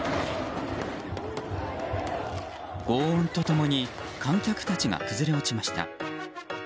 轟音と共に観客たちが崩れ落ちました。